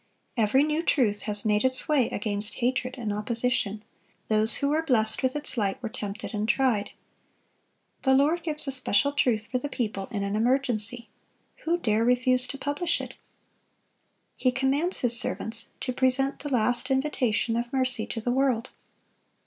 Every new truth has made its way against hatred and opposition; those who were blessed with its light were tempted and tried. The Lord gives a special truth for the people in an emergency. Who dare refuse to publish it? He commands His servants to present the last invitation of mercy to the world.